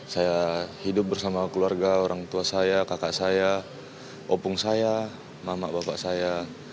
saya hidup bersama keluarga orang tua saya kakak saya opung saya mama bapak saya